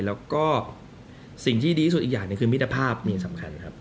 แล้วก็สิ่งที่ดีที่สุดอีกอย่างหนึ่งคือมิตรภาพมีสำคัญครับ